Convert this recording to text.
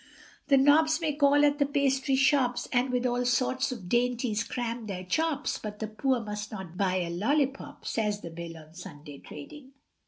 The nobs may call at the pastry shops And with all sorts of dainties cram their chops, But the poor must not buy a lollipop, Says the Bill on Sunday trading.